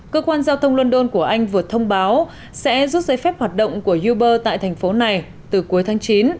cơ quan giao thông london của anh vừa thông báo sẽ rút giấy phép hoạt động của uber tại thành phố này từ cuối tháng chín